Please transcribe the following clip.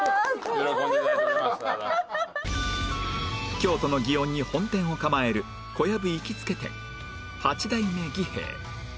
京都の園に本店を構える小籔行きつけ店八代目儀兵衛